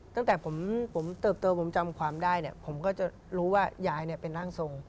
ตั้งแต่ผมเติบเติบผมจำความได้ผมก็จะรู้ว่ายายเป็นร่างทรงค์